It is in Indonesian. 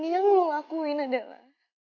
dan yang lo lakuin adalah